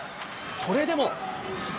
それでも。